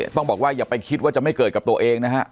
ต้องบอกว่าอย่าไปคิดว่าจะไม่เกิดกับตัวเองนะฮะ